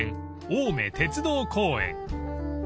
青梅鉄道公園］